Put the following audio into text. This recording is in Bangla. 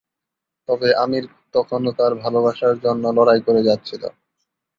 তবে আমির তখনও তার ভালবাসার জন্য লড়াই করে যাচ্ছিল।